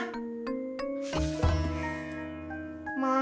jalan di dalam rumah